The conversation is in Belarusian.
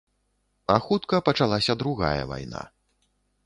А хутка пачалася другая вайна.